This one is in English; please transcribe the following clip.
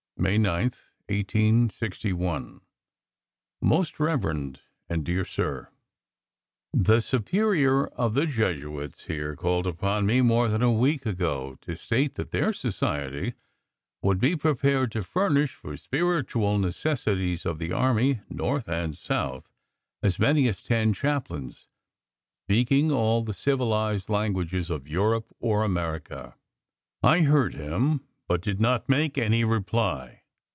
May 9, 1861. Most Reverend and Dear Sir: The Superior of the Jesuits here called upon me more than a week ago to state that their society would be prepared to furnish for spiritual necessities of the army, North and South, as many as ten chaplains, speaking all the civilized languages of Europe or America. I heard him, but did not make any reply.